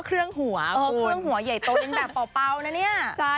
เครื่องหัวเป็นแบบเป๋า